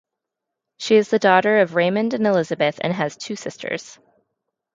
She is the daughter of Raymond and Elizabeth and has two sisters.